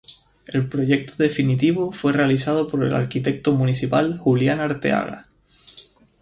El proyecto definitivo fue realizado por el arquitecto municipal Julián Arteaga.